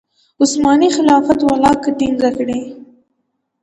عثماني خلافت ولکه ټینګه کړي.